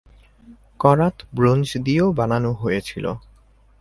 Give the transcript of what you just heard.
করাত ব্রোঞ্জ দিয়েও বানানো হয়েছিল।